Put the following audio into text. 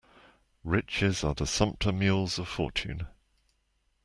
Riches are the sumpter mules of fortune.